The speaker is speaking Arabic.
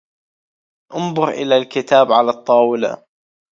أنظر إلى الكتاب على الطاولة.